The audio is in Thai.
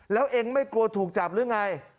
แล้วเองไม่กลัวถูกจับหรือไง